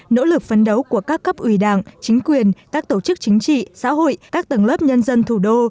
nỗ lực phấn đấu của các cấp ủy đảng chính quyền các tổ chức chính trị xã hội các tầng lớp nhân dân thủ đô